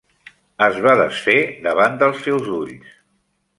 Es va desfer davant dels seus ulls.